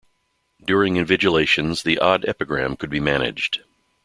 During invigilations the odd epigram could be managed.